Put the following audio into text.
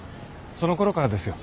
そのころからですよ